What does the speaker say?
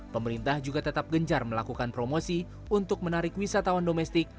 pemerintah juga tetap gencar melakukan promosi untuk menarik wisatawan domestik